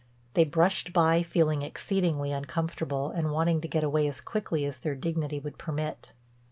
They brushed by, feeling exceedingly uncomfortable and wanting to get away as quickly as their dignity would permit.